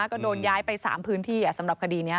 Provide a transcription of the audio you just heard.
ก็โดนย้ายไป๓พื้นที่สำหรับคดีนี้